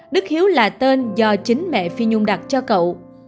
đức hiếu là tên do chính mẹ phi nhung đặt cho cậu